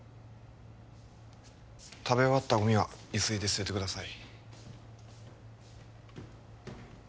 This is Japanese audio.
食べ終わったゴミはゆすいで捨ててください